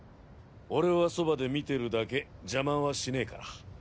俺は側で見てるだけ邪魔はしねぇから。